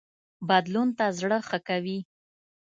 بدلون ته زړه ښه کوي